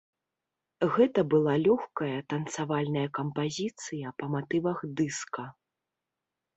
Гэта была лёгкая танцавальная кампазіцыя па матывах дыска.